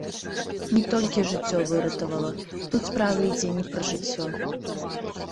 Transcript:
Не толькі жыццё выратавала, тут справа ідзе не пра жыццё.